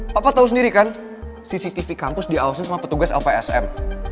papa tahu sendiri kan cctv kampus diawasi sama petugas lpsm